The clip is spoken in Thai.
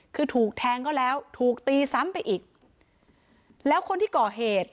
คือถูกแทงก็แล้วถูกตีซ้ำไปอีกแล้วคนที่ก่อเหตุ